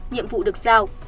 nhiệm vụ được giao